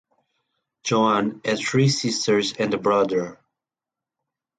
Joan had three sisters and a brother.